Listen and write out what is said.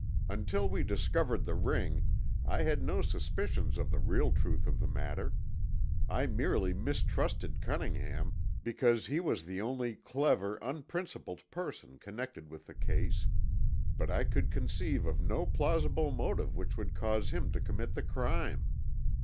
Until we discovered the ring I had no suspicions of the real truth of the matter. I merely mistrusted Cunningham, because he was the only clever unprincipled person connected with the case, but I could conceive of no plausible motive which would cause him to commit the crime.